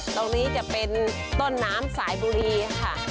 ตรงนี้จะเป็นต้นน้ำสายบุรีค่ะ